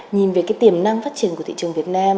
nhìn về cái tiềm năng phát triển của thị trường việt nam